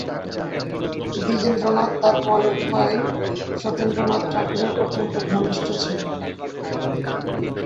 দ্বিজেন্দ্রনাথ তার পরের ভাই সত্যেন্দ্রনাথ ঠাকুরের অত্যন্ত ঘনিষ্ঠ ছিলেন।